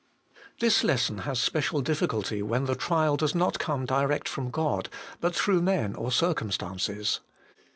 This lesson has special difficulty when the trial does not come direct from God, but through men or circumstances.